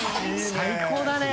最高だね。